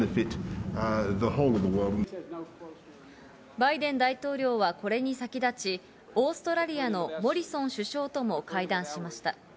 バイデン大統領はこれに先立ち、オーストラリアのモリソン首相とも会談しました。